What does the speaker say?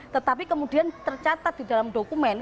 tetapi kemudian tercatat di dalam dokumen